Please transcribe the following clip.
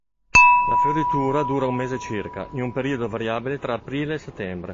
La fioritura dura un mese circa, in un periodo variabile tra aprile e settembre.